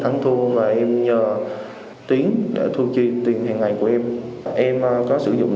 ngày của em em có sử dụng